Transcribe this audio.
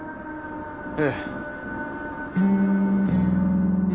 ええ。